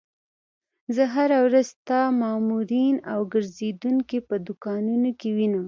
زه هره ورځ ستا مامورین او ګرځېدونکي په دوکانونو کې وینم.